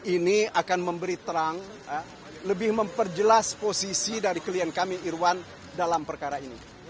ini akan memberi terang lebih memperjelas posisi dari klien kami irwan dalam perkara ini